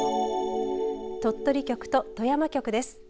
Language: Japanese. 鳥取局と富山局です。